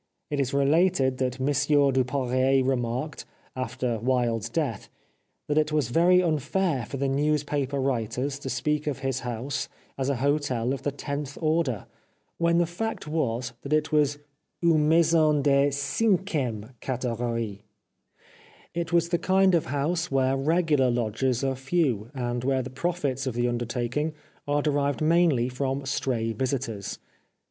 It is related that Mon sieur Dupoirier remarked, after Wilde's death, that it was very unfair for the newspaper writers to speak of his house as a hotel of the tenth order, when the fact was that it was une maison de cinquieme categorie. It was the kind of house where regular lodgers are few, and where the profits of the undertaking are derived mainly from stray visitors.